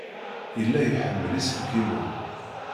Yella iḥemmel iselkimen.